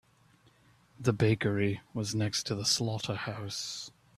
The bakery was next to the slaughterhouse.